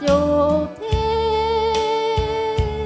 จูบลูกหลายเท่าโยม